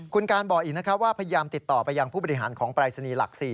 คุณการบอกอีกนะครับว่าพยายามติดต่อไปยังผู้บริหารของปรายศนีย์หลัก๔